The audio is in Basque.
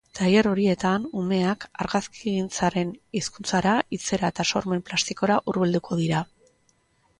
Tailer horietan, umeak argazkigintzaren hizkuntzara, hitzera eta sormen plastikora hurbilduko dira.